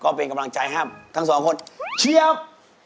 ก็เป็นกำลังใจให้ทั้งสองคนเชียบ